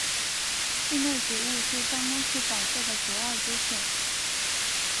室内植物是办公室摆设的不二之选。